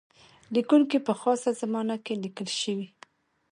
لیکونکی په خاصه زمانه کې لیکل شوی.